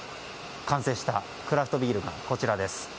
完成したクラフトビールがこちらです。